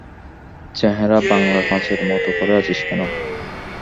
চেহারা বাংলার পাঁচের মতো করে আছিস কেন?